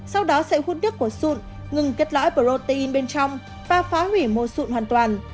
sau đó sẽ hút nước của sụn ngừng kết lõi protein bên trong và phá hủy mô sụn hoàn toàn